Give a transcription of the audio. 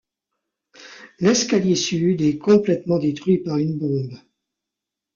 L'escalier sud est complètement détruit par une bombe.